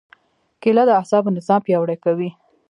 کېله د اعصابو نظام پیاوړی کوي.